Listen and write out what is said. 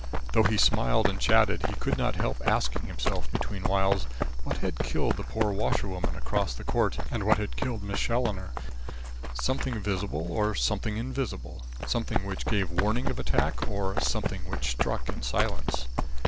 Though he smiled and chatted, he could not help asking himself between whiles, what had killed the poor washerwoman across the court, and what had killed Miss Challoner. Something visible or something invisible? Something which gave warning of attack, or something which struck in silence.